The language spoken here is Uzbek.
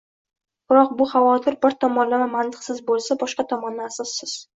Biroq bu xavotir bir tomondan mantiqsiz bo‘lsa, boshqa tomondan asossiz